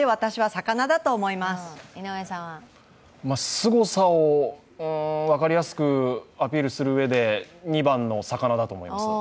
すごさを分かりやすくアピールするうえで２番の魚だと思います。